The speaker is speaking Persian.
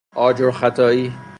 آجر ختائی